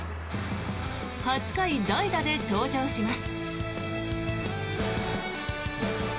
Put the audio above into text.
８回、代打で出場します。